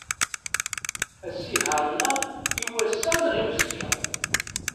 Asihaṛ-nneɣ i wass-a neɣ i uzekka?